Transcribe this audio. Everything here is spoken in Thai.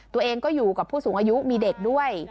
ตัวเองก็อยู่กับผู้สูงอายุมีเด็กด้วย